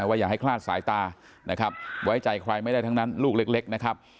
อย่าให้คลาดสายตานะครับไว้ใจใครไม่ได้ทั้งนั้นลูกเล็กนะครับ